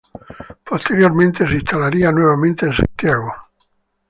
Posteriormente se instalaría nuevamente en Santiago.